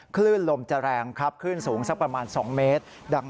คลื่นลมจะแรงครับคลื่นสูงสักประมาณ๒เมตร